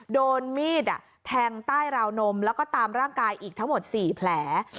โดนมีดแทงใต้ราวนมแล้วก็ตามร่างกายอีกทั้งหมด๔แผล